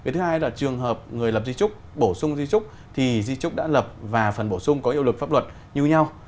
thứ hai là trường hợp người lập di trúc bổ sung di trúc thì di trúc đã lập và phần bổ sung có hiệu lực pháp luật như nhau